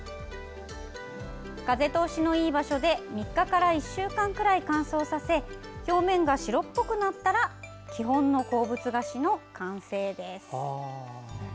風通しのいい場所で３日から１週間くらい乾燥させ表面が白っぽくなったら基本の鉱物菓子の完成です。